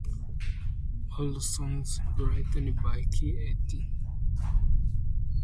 All songs written by k.d.